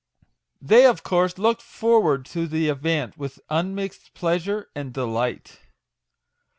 They, of course, looked forward to the event with un mixed pleasure and delight.